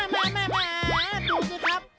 แม่ดูสิครับ